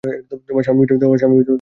তোমার স্বামী বুঝি কিছু দেন নাই?